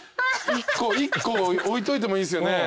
１個置いといてもいいですよね。